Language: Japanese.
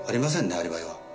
アリバイは。